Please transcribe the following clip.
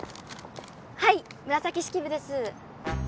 はい紫式部です。